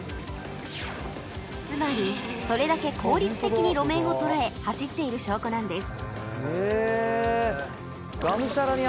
つまりそれだけ効率的に路面を捉え走っている証拠なんです